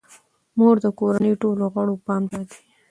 مور د کورنۍ ټولو غړو پام ساتي.